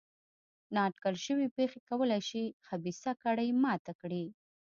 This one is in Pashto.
نا اټکل شوې پېښې کولای شي خبیثه کړۍ ماته کړي.